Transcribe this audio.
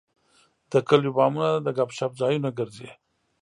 د کلیو بامونه د ګپ شپ ځایونه ګرځي.